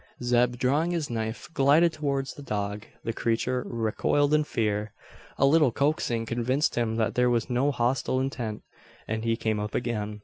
Zeb drawing his knife, glided towards the dog. The creature recoiled in fear. A little coaxing convinced him that there was no hostile intent; and he came up again.